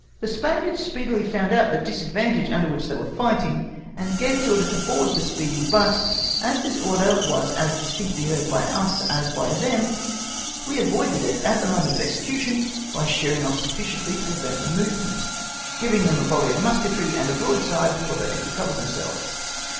The Spaniards speedily found out the disadvantage under which they were fighting, and gave the order to board the Speedy ; but as this order was as distinctly heard by us as by them, we avoided it at the moment of execution by sheering off" sufficiently to prevent the movement, giving them a volley of musketry and a broadside before they could recover themselves.